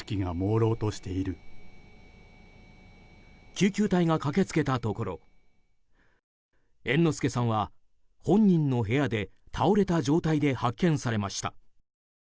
救急隊が駆け付けたところ猿之助さんは本人の部屋で倒れた状態で発見されました。